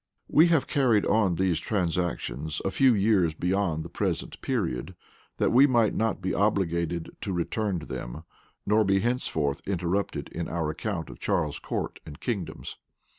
We have carried on these transactions a few years beyond the present period, that we might not be obliged to return to them, nor be henceforth interrupted in our account of Charles's court and kingdoms.